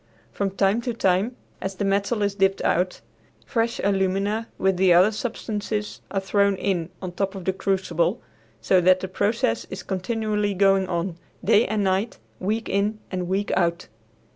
From time to time, as the metal is dipped out, fresh alumina with the other substances are thrown in on top of the crucible, so that the process is continually going on, day and night, week in and week out.